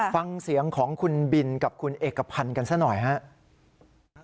ฟังเสียงของคุณบินกับคุณเอกพันธ์กันซะหน่อยครับ